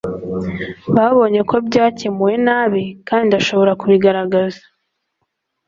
Babonye ko byakemuwe nabi kandi ndashobora kubigaragaza